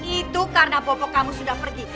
itu karena popok kamu sudah pergi